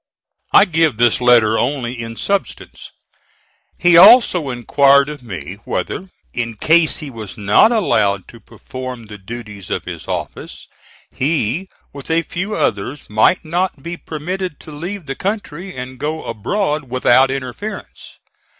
I give this letter only in substance. He also inquired of me whether in case he was not allowed to perform the duties of his office, he with a few others might not be permitted to leave the country and go abroad without interference.